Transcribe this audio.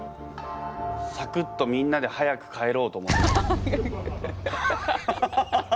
サクッとみんなで早く帰ろうと思ってた。